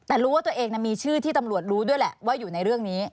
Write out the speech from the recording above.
แต่รู้ว่าตัวเองมีชื่อที่ตำรวจรู้ด้วยแหละว่าอยู่ในเรื่องนี้